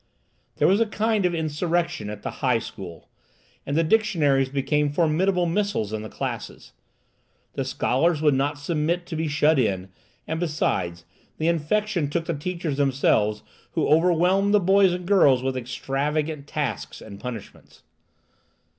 There was a kind of insurrection at the high school, and the dictionaries became formidable missiles in the classes. The scholars would not submit to be shut in, and, besides, the infection took the teachers themselves, who overwhelmed the boys and girls with extravagant tasks and punishments.